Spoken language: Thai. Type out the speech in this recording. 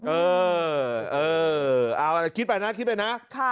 เออเอาอ่ะคิดไปนะ